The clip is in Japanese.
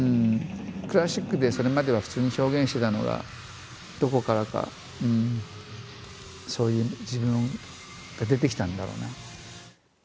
クラシックでそれまでは普通に表現してたのがどこからかそういう自分が出てきたんだろうね。